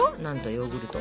ヨーグルト？